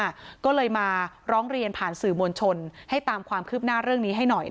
ก็เลยมาร้องเรียนผ่านสื่อมวลชนให้ตามความคืบหน้าเรื่องนี้ให้หน่อย